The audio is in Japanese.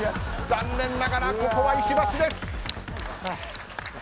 残念ながら、ここは石橋です。